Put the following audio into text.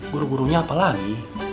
guru gurunya apa lagi